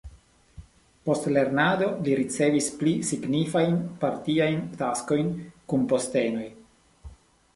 Post lernado li ricevis pli signifajn partiajn taskojn kun postenoj.